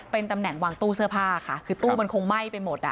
เป็นตำแหน่งวางตู้เสื้อผ้าค่ะคือตู้มันคงไหม้ไปหมดอ่ะ